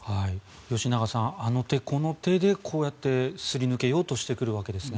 吉永さんあの手この手で、こうやってすり抜けようとしてくるわけですね。